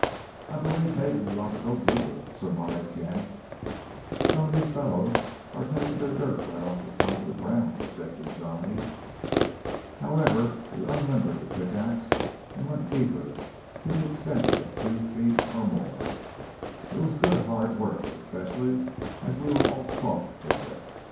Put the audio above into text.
"I believe maybe we ought to go deeper," surmised Yank. "Some of these fellows are taking their dirt right off top of the ground," objected Johnny. However, we unlimbered the pickaxe and went deeper; to the extent of two feet or more. It was good hard work, especially as we were all soft for it.